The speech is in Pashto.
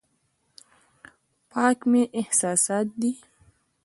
پاک مې احساسات دي.